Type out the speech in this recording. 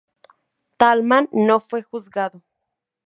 Thälmann no fue juzgado.